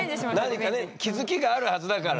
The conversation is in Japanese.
何かね気付きがあるはずだから。